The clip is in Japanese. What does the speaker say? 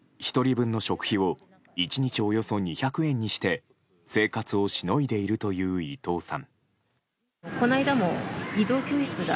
１人分の食費を１日およそ２００円にして生活をしのいでいるという伊藤さん。